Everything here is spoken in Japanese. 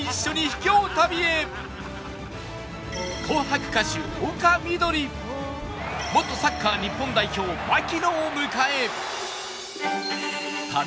『紅白』歌手丘みどり元サッカー日本代表槙野を迎え